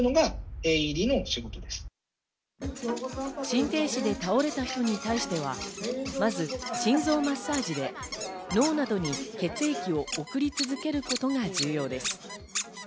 心停止で倒れた人に対しては、まず心臓マッサージで脳などに血液を送り続けることが重要です。